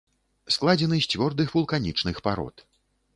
Складзены з цвёрдых вулканічных парод.